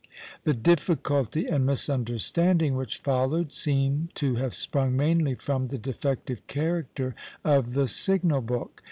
The difficulty and misunderstanding which followed seem to have sprung mainly from the defective character of the signal book.